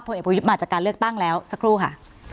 เอกประยุทธ์มาจากการเลือกตั้งแล้วสักครู่ค่ะ